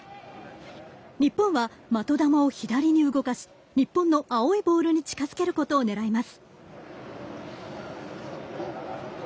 日本は的球を左に動かし日本の青いボールに近づけることをねらいます。